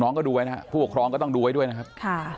ก็ดูไว้นะครับผู้ปกครองก็ต้องดูไว้ด้วยนะครับ